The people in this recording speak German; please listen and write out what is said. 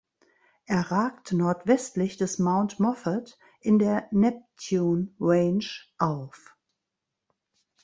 Er ragt nordwestlich des Mount Moffat in der Neptune Range auf.